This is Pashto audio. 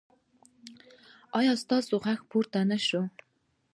ایا ستاسو غږ به پورته نه شي؟